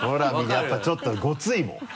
やっぱちょっとゴツイもん。